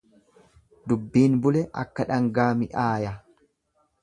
Dubbiin bule akka dhangaa mi'aaya.